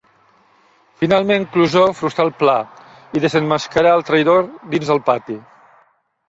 Finalment, Clouseau frustra el pla i desemmascara el traïdor dins del pati.